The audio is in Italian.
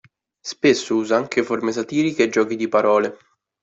Spesso usa anche forme satiriche e giochi di parole.